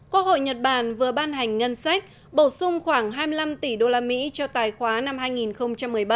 quốc hội nhật bản vừa ban hành ngân sách bổ sung khoảng hai mươi năm tỷ đô la mỹ cho tài khoá năm hai nghìn một mươi bảy